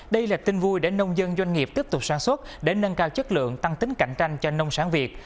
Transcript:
đây là tin vui để nông dân doanh nghiệp tiếp tục sản xuất để nâng cao chất lượng tăng tính cạnh tranh cho nông sản việt